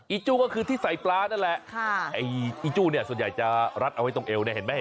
จู้ก็คือที่ใส่ปลานั่นแหละไอ้อีจู้เนี่ยส่วนใหญ่จะรัดเอาไว้ตรงเอวเนี่ยเห็นไหม